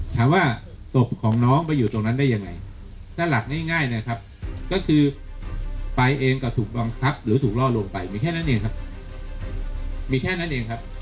ถามว่าศพของน้องไปอยู่ตรงนั้นได้ยังไงถ้าหลักง่ายนะครับก็คือไปเองก็ถูกบังคับหรือถูกล่อลงไปมีแค่นั้นเองครับ